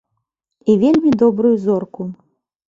І вельмі добрую зорку.